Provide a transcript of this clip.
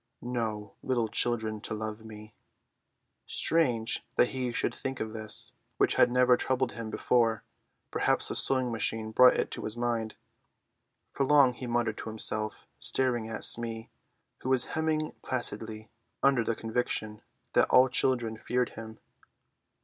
"No little children to love me!" Strange that he should think of this, which had never troubled him before; perhaps the sewing machine brought it to his mind. For long he muttered to himself, staring at Smee, who was hemming placidly, under the conviction that all children feared him.